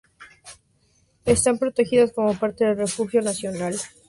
Están protegidas como parte del Refugio Nacional de Vida Silvestre Key West.